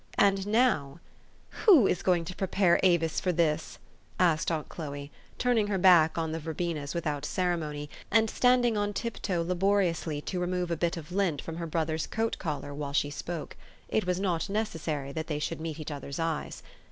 And now " Who is going to prepare Avis for this ?" asked aunt Chloe, turning her back on the verbenas with THE STORY OF AVIS. 311 out ceremony, and standing on tiptoe laboriously to remove a bit of lint from her brother's coat collar while she spoke : it was not necessary that they should meet each other's eyes.